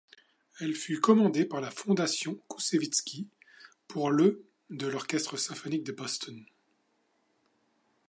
Elle fut commandée par la Fondation Koussevitzky pour le de l'orchestre symphonique de Boston.